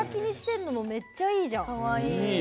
手書きにしてるのもめっちゃいいじゃん。